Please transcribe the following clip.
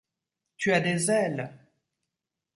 Tu as des ailes !